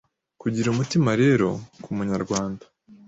Kugira umutima rero, ku Munyarwanda,